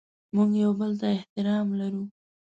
موږ یو بل ته احترام لرو.